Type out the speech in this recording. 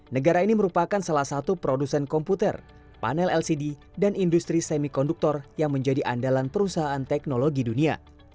negara ini merupakan salah satu produsen komputer panel lcd dan industri semikonduktor yang menjadi andalan perusahaan teknologi dunia